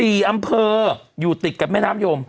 อำเภออยู่ติดกับแม่น้ำยม